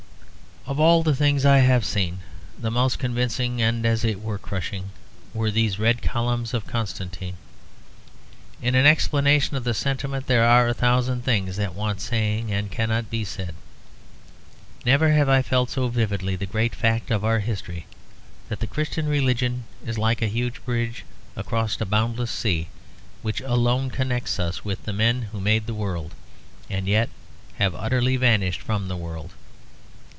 Of all the things I have seen the most convincing, and as it were crushing, were these red columns of Constantine. In explanation of the sentiment there are a thousand things that want saying and cannot be said. Never have I felt so vividly the great fact of our history; that the Christian religion is like a huge bridge across a boundless sea, which alone connects us with the men who made the world, and yet have utterly vanished from the world.